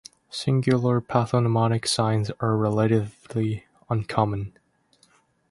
Singular pathognomonic signs are relatively uncommon.